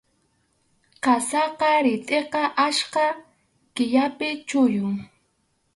Qasasqa ritʼiqa achka killapi chullun.